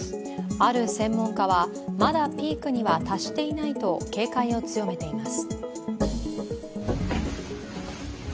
ある専門家は、まだピークには達していないと警戒を強めています。